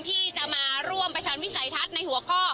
ที่จะมาร่วมประชันวิสัยทัศน์ในหัวข้อ